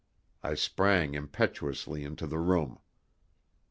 I sprang impetuously into the room.